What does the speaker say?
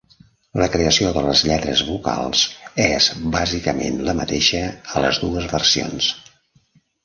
La creació de les lletres vocals és bàsicament la mateixa a les dues versions.